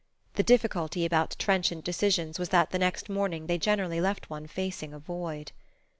The difficulty about trenchant decisions was that the next morning they generally left one facing a void....